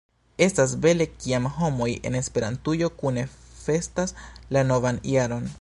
Estas bele, kiam homoj en Esperantujo kune festas la novan jaron.